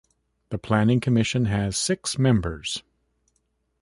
The Planning Commission has six members.